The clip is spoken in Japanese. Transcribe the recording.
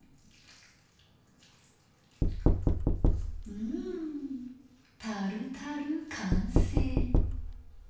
うんタルタル完成。